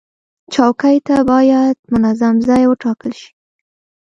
چوکۍ ته باید منظم ځای وټاکل شي.